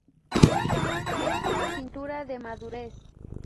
Es una pintura de madurez.